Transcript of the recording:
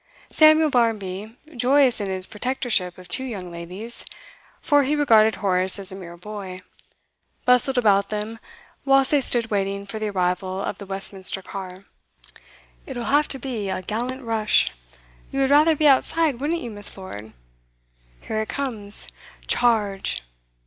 Samuel Barmby, joyous in his protectorship of two young ladies, for he regarded Horace as a mere boy, bustled about them whilst they stood waiting for the arrival of the Westminster car. 'It'll have to be a gallant rush! You would rather be outside, wouldn't you, Miss. Lord? Here it comes: charge!